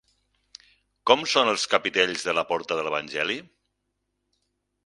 Com són els capitells de la porta de l'evangeli?